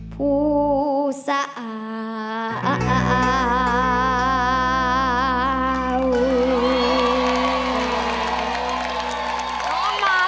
ผู้สะอาด